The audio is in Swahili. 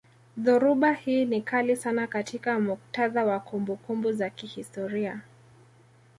Dhoruba hii ni kali sana katika muktadha wa kumbukumbu za kihistoria